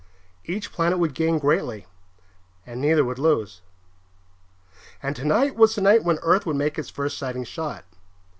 Each planet would gain greatly, and neither would lose. And tonight was the night when Earth would make its first sighting shot.